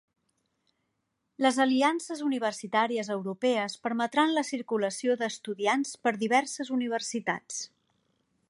Les aliances universitàries europees permetran la circulació d'estudiants per diverses universitats